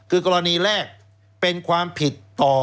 แล้วเขาก็ใช้วิธีการเหมือนกับในการ์ตูน